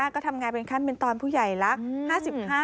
ก็ทำงานเป็นขั้นเป็นตอนผู้ใหญ่แล้ว